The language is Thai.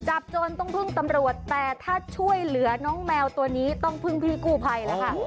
จนต้องพึ่งตำรวจแต่ถ้าช่วยเหลือน้องแมวตัวนี้ต้องพึ่งพี่กู้ภัยแล้วค่ะ